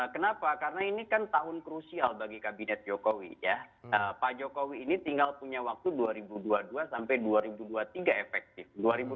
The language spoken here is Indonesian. kenapa karena ini kan tahun krusial bagi kabinet jokowi ya pak jokowi ini tinggal punya waktu dua ribu dua puluh dua sampai dua ribu dua puluh tiga efektif dua ribu dua puluh